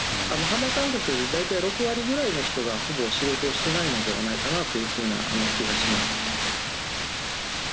肌感覚で大体６割ぐらいの人がほぼ仕事をしてないのではないかなという気がします。